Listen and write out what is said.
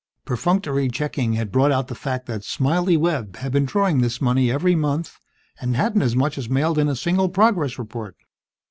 Perfunctory checking had brought out the fact that "Smiley" Webb had been drawing this money every month, and hadn't as much as mailed in a single progress report.